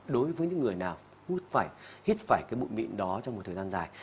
đối với những người nào hít phải cái bụi mịn đó trong một thời gian dài